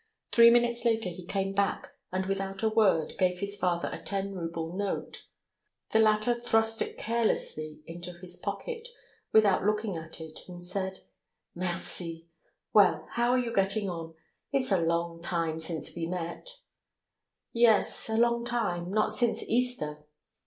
Three minutes later he came back, and without a word gave his father a ten rouble note. The latter thrust it carelessly into his pocket without looking at it, and said: "Merci. Well, how are you getting on? It's a long time since we met." "Yes, a long time, not since Easter."